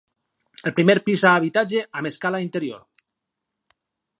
El primer pis a habitatge amb escala interior.